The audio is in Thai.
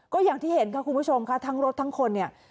ก็อย่างที่เห็นค่ะคุณผู้ชมค่ะทั้งรถทั้งคนเนี่ย